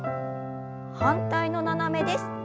反対の斜めです。